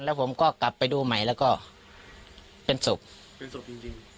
แล้วผมก็กลับไปดูใหม่แล้วก็เป็นศพเป็นศพจริงจริง